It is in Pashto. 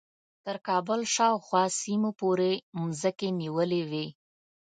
تر کابل شاوخوا سیمو پورې مځکې نیولې وې.